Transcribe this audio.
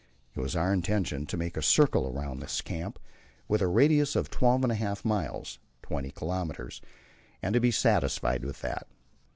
It was our intention to make a circle round this camp, with a radius of twelve and a half miles (20 kilometres), and to be satisfied with that.